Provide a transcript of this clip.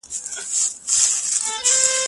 زه به سبا کتابتون ته راځم وم؟